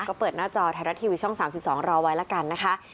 ก็เปิดหน้าจอไทยรัฐทีวีช่อง๓๒รอไว้แล้วกันนะคะ